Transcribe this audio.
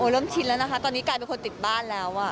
เริ่มชินแล้วนะคะตอนนี้กลายเป็นคนติดบ้านแล้ว